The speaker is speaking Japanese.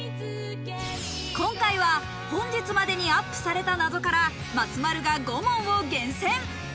今回は本日までにアップされた謎から松丸が５問を厳選。